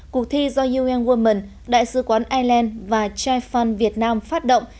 cuộc thi do un women đại sứ quán ireland và chai fun việt nam phát động